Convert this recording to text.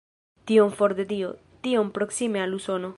Tiom for de Dio, tiom proksime al Usono".